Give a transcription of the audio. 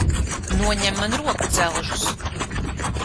Noņem man rokudzelžus!